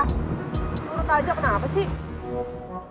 menurut aja kenapa sih